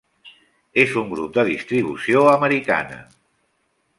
És un grup de distribució americana.